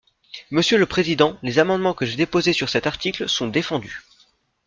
Monsieur le président, les amendements que j’ai déposés sur cet article sont défendus.